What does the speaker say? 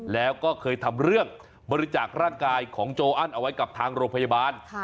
แล้วก็เคยทำเรื่องบริจาคร่างกายของโจอันเอาไว้กับทางโรงพยาบาล